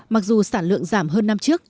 mặc dù sản lượng giảm hơn năm trước